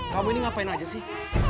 kamu ini ngapain aja sih